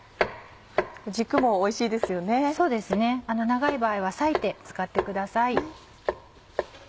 長い場合は裂いて使ってください。